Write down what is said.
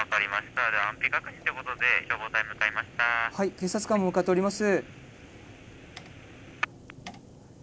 警察官も向かっております。